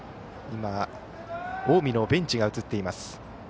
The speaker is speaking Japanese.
近江のベンチが映っています。